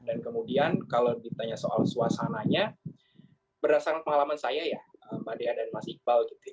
dan kemudian kalau ditanya soal suasananya berdasarkan pengalaman saya ya mbak dea dan mas iqbal gitu ya